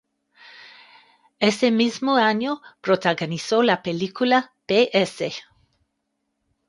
Ese mismo año protagonizó la película "P. S.".